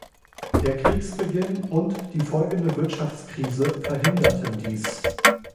Der Kriegsbeginn und die folgende Wirtschaftskrise verhinderten dies.